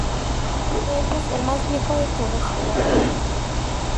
De ellos el más viejo de todos era Ymir.